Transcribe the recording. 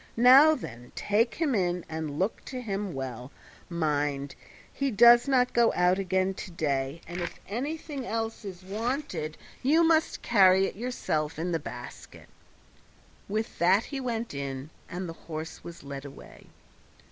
Now, then, take him in and look to him well; mind, he does not go out again to day, and if anything else is wanted you must carry it yourself in the basket." With that he went in, and the horse was led away.